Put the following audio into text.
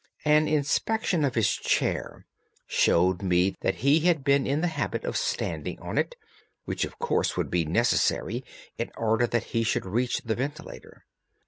An inspection of his chair showed me that he had been in the habit of standing on it, which of course would be necessary in order that he should reach the ventilator.